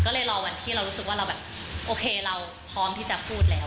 ก็เลยรอวันที่เรารู้สึกว่าเราแบบโอเคเราพร้อมที่จะพูดแล้ว